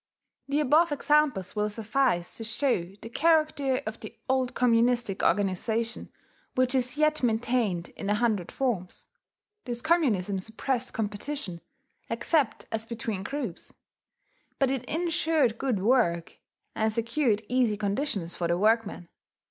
The above examples will suffice to show the character of the old communistic organization which is yet maintained in a hundred forms. This communism suppressed competition, except as between groups; but it insured good work, and secured easy conditions for the workman.